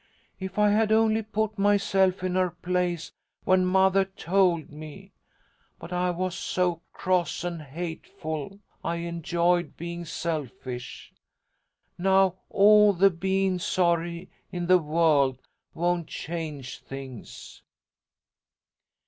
If I had only put myself in her place when mothah told me! But I was so cross and hateful I enjoyed bein' selfish. Now all the bein' sorry in the world won't change things!"